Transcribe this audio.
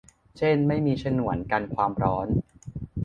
เช่นไม่มีฉนวนกันความร้อน